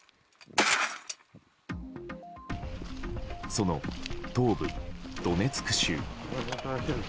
その東部ドネツク州。